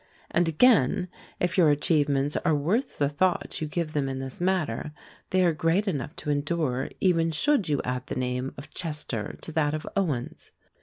And again, if your achievements are worth the thought you give them in this matter, they are great enough to endure even should you add the name of Chester to that of Owens.